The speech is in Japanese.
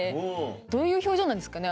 どういう表情なんですかね？